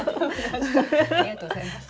ありがとうございます。